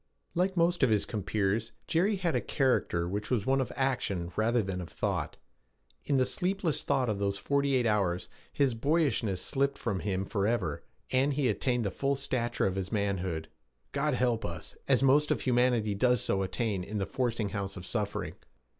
Like most of his compeers, Jerry had a character which was one of action rather than of thought. In the sleepless thought of those forty eight hours his boyishness slipped from him forever, and he attained the full stature of his manhood God help us! as most of humanity does so attain in the forcing house of suffering!